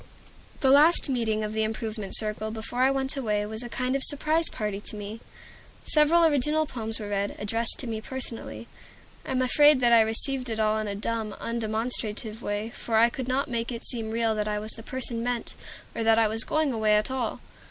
The last meeting of the Improvement Circle before I went away was a kind of surprise party to me. Several original poems were read, addressed to me personally. I am afraid that I received it all in a dumb, undemonstrative way, for I could not make it seem real that I was the person meant, or that I was going away at all.